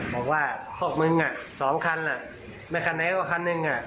บอกว่าพวกมึงสองคันไม่คันไหนก็คันหนึ่ง